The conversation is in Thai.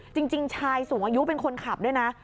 จริงชายสูงอายุเป็นคนขับด้วยนะ